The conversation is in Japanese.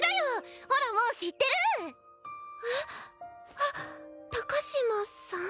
あっ高嶋さん？